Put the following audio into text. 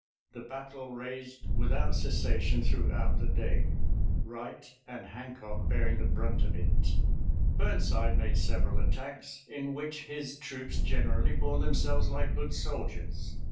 The battle raged without cessation throughout the day, Wright and Hancock bearing the brunt of it. Burnside made several attacks, in which his troops generally bore themselves like good soldiers.